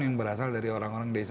yang berasal dari orang orang desa